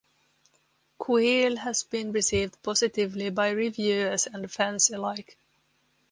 Kuiil has been received positively by reviewers and fans alike.